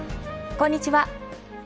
こんにちは。